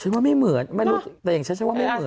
ว่าไม่เหมือนไม่รู้แต่อย่างฉันฉันว่าไม่เหมือน